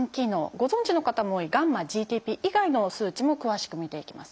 ご存じの方も多いγ−ＧＴＰ以外の数値も詳しく診ていきます。